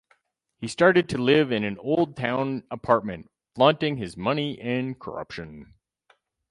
He started to live in an Oldtown apartment, flaunting his money and corruption.